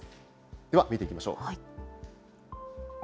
では、見ていきましょう。